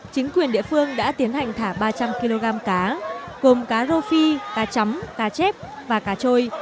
chính quyền địa phương đã tiến hành thả ba trăm linh kg cá gồm cá rô phi cá chấm cá chép và cá trôi